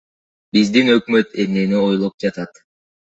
Биздин өкмөт эмнени ойлоп жатат?